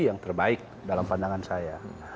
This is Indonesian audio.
yang terbaik dalam pandangan saya